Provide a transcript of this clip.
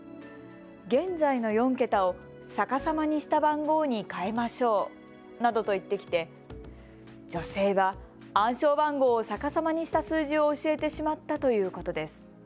現在の４桁を逆さまにした番号に変えましょうなどと言ってきて、女性は暗証番号を逆さまにした数字を教えてしまったということです。